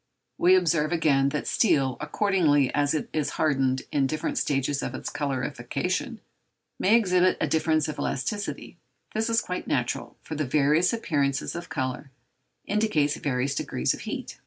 We observe, again, that steel, accordingly as it is hardened in different stages of its colorification, may exhibit a difference of elasticity: this is quite natural, for the various appearances of colour indicate various degrees of heat.